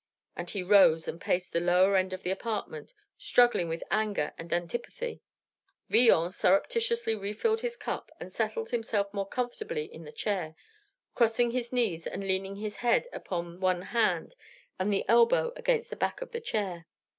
And he rose and paced the lower end of the apartment, struggling with anger and antipathy. Villon surreptitiously refilled his cup, and settled himself more comfortably in the chair, crossing his knees and leaning his head upon one hand and the elbow against the back of the chair.